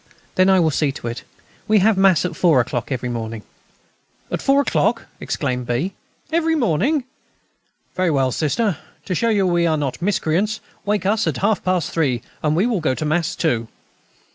then I will see to it. We have Mass at four o'clock every morning." "At four o'clock!" exclaimed B. "Every morning! Very well, Sister, to show you we are not miscreants, wake us at half past three, and we will go to Mass too."